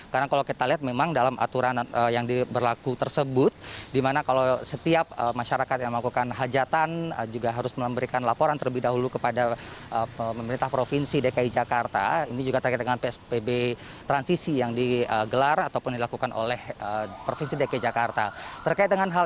karena kalau kita lihat memang dalam aturan yang berlaku tersebut di mana kalau setiap masyarakat yang melakukan hajatan juga harus memberikan laporan terlebih dahulu kepada pemerintah provinsi dki jakarta